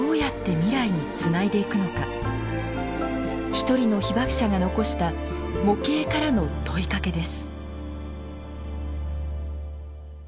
一人の被爆者が残した模型からの問いかけです。